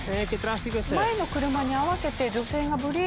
前の車に合わせて女性がブレーキを踏むと。